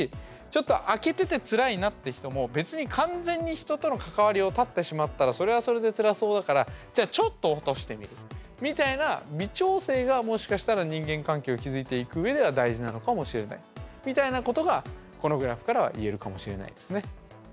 ちょっとあけててつらいなって人も別に完全に人との関わりを断ってしまったらそれはそれでつらそうだからじゃあちょっと落としてみるみたいな微調整がもしかしたら人間関係を築いていくうえでは大事なのかもしれないみたいなことがこのグラフからは言えるかもしれないですね。